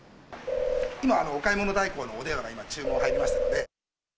今、お買い物代行のお電話が今、注文入りましたので。